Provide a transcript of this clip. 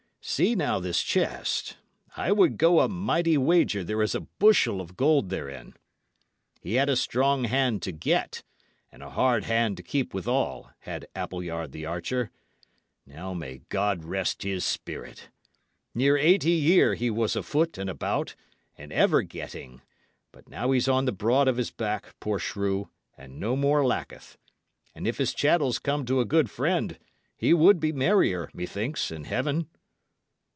See, now, this chest. I would go a mighty wager there is a bushel of gold therein. He had a strong hand to get, and a hard hand to keep withal, had Appleyard the archer. Now may God rest his spirit! Near eighty year he was afoot and about, and ever getting; but now he's on the broad of his back, poor shrew, and no more lacketh; and if his chattels came to a good friend, he would be merrier, methinks, in heaven."